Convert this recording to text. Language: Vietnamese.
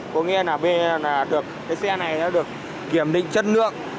có nghĩa là bên này được cái xe này đã được kiểm định chất lượng